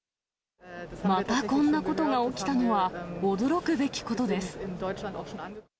またこんなことが起きたのは、驚くべきことです。